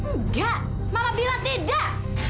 nggak mama bilang tidak